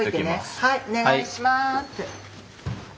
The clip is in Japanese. はいお願いします。